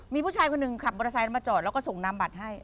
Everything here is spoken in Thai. มีผู้ชายคนหนึ่งขับมอเตอร์ไซค์มาจอดแล้วก็ส่งนำบัตรให้